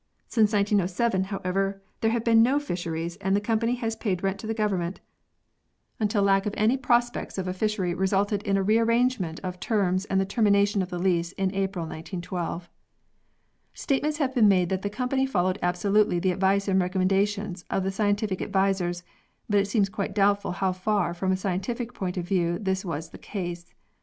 Since 1907, however, there have been no fisheries and the company paid rent to the Government until lack of any prospects 136 PEARLS [CH. of a fishery resulted in a re arrangement of terms and the termination of the lease in April 1912. Statements have been made that the company followed absolutely the advice and recommendations of the scientific advisers, but it seems quite doubtful how far from a scientific point of view this was the case.